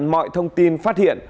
mọi thông tin phát hiện